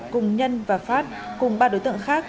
cùng nhân và phát cùng ba đối tượng khác